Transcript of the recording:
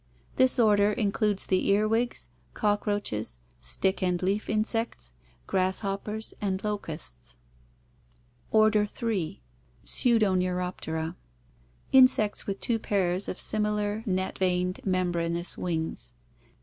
This order includes the earwigs, cockroaches, stick and leaf insects, grasshoppers, and locusts. Order 3. Pseudoneuroptera. Insects with two pairs of similar, net veined, membranous wings.